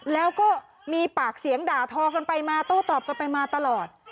แล้วก็มีปากเสียงด่าทอกันไปมาโต้ตอบกันไปมาตลอด